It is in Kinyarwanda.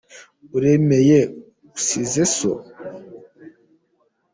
Uremeye usize so